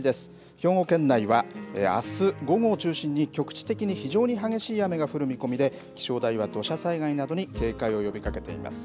兵庫県内は、あす午後を中心に局地的に非常に激しい雨が降る見込みで気象台は土砂災害などに警戒を呼びかけています。